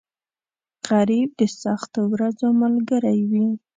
غریب د سختو ورځو ملګری وي